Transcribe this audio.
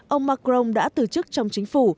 ông macron đã từ chức trong chính phủ